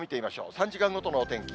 ３時間ごとのお天気。